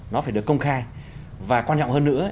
nó phải được công khai và quan trọng hơn nữa